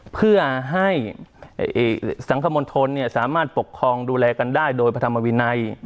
เพื่อให้สังคมณฑลสามารถปกครองดูแลกันได้โดยพระธรรมวินัย